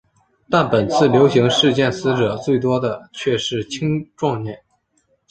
但本次流行事件死者最多的却是青壮年。